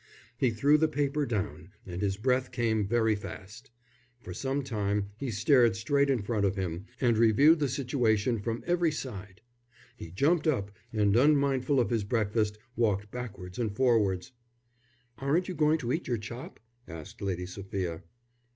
He threw the paper down and his breath came very fast. For some time he stared straight in front of him and reviewed the situation from every side. He jumped up, and unmindful of his breakfast walked backwards and forwards. "Aren't you going to eat your chop?" asked Lady Sophia.